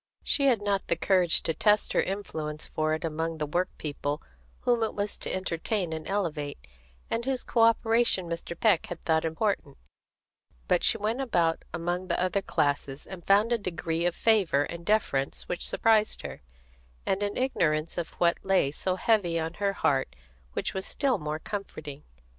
She had not the courage to test her influence for it among the workpeople whom it was to entertain and elevate, and whose co operation Mr. Peck had thought important; but she went about among the other classes, and found a degree of favour and deference which surprised her, and an ignorance of what lay so heavy on her heart which was still more comforting.